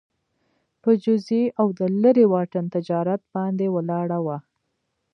په جزیې او د لېرې واټن تجارت باندې ولاړه وه